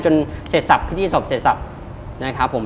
จนเสร็จศพพิธีศพเสร็จศพนะครับผม